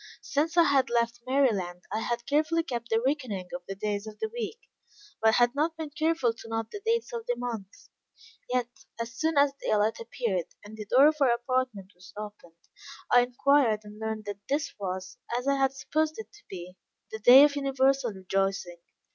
Since I had left Maryland I had carefully kept the reckoning of the days of the week, but had not been careful to note the dates of the month; yet as soon as daylight appeared, and the door of our apartment was opened, I inquired and learned that this was, as I had supposed it to be, the day of universal rejoicing.